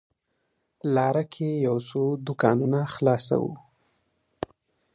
لاره کې یو څو دوکانونه خلاص و.